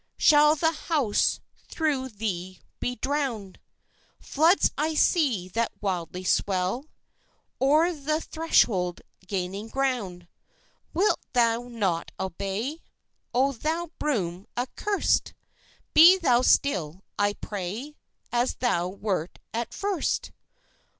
Shall the house through thee be drown'd? Floods I see that wildly swell, O'er the threshold gaining ground. Wilt thou not obey, O thou broom accurs'd! Be thou still, I pray, As thou wert at first!